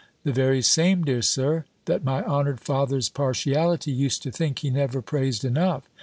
"The very same, dear Sir, that my honoured father's partiality used to think he never praised enough."